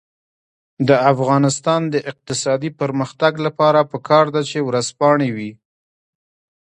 د افغانستان د اقتصادي پرمختګ لپاره پکار ده چې ورځپاڼې وي.